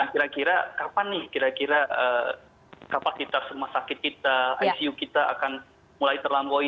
kira kira kapan nih kira kira kapasitas rumah sakit kita icu kita akan mulai terlampaui